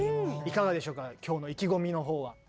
いかがでしょうか今日の意気込みの方は？